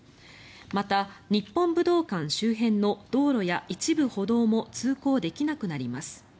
また、日本武道館周辺の道路や一部歩道も通行できなくなります。